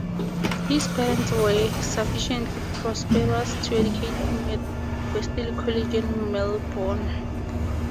His parents were sufficiently prosperous to educate him at Wesley College in Melbourne.